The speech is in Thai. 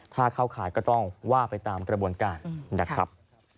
ถ้าเข้าข่ายก็ต้องว่าไปตามกระบวนการนะครับ